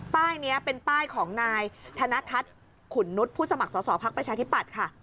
ป้ายนี้เป็นป้ายของนายธนทัศน์ขุนนุษย์ผู้สมัครสอสอภักดิ์ประชาธิปัตย์ค่ะ